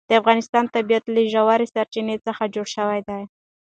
د افغانستان طبیعت له ژورې سرچینې څخه جوړ شوی دی.